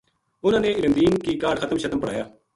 اُنھاں نے علم دین کی کاہڈ ختم شتم پڑھایا